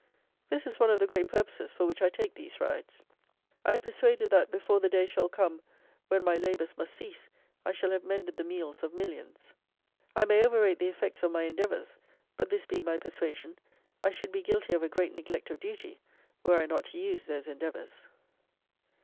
This is one of the great purposes for which I take these "Rides." I am persuaded, that, before the day shall come when my labours must cease, I shall have mended the meals of millions. I may over rate the effects of my endeavours; but, this being my persuasion, I should be guilty of a great neglect of duty, were I not to use those endeavours.